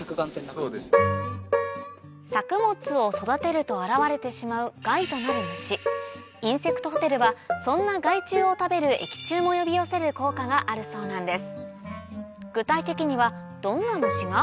作物を育てると現われてしまう害となる虫インセクトホテルはそんな害虫を食べる益虫も呼び寄せる効果があるそうなんです